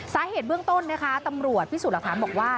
สาเหตุเบื้องต้นนะคะตำรวจพิสูจน์หลักฐานบอกว่า